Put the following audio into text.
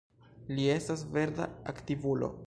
Li estas verda aktivulo.